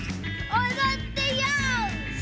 おどってよし！